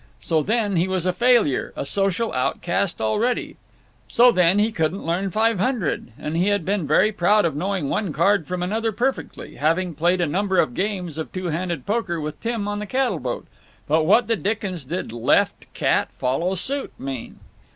So, then, he was a failure, a social outcast already. So, then, he couldn't learn Five Hundred! And he had been very proud of knowing one card from another perfectly, having played a number of games of two handed poker with Tim on the cattle boat. But what the dickens did "left—cat—follow suit" mean?